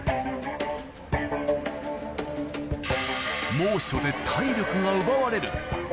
猛暑で体力が奪われる。